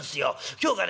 今日がね